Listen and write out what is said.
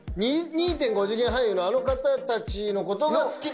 ２．５次元俳優のあの方たちのことが好き？